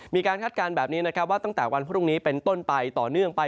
คาดการณ์แบบนี้นะครับว่าตั้งแต่วันพรุ่งนี้เป็นต้นไปต่อเนื่องไป